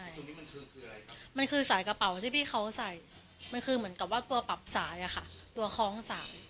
ตรงนี้มันคือคืออะไรครับมันคือสายกระเป๋าที่พี่เขาใส่มันคือเหมือนกับว่าตัวปรับสายอะค่ะตัวคล้องสาย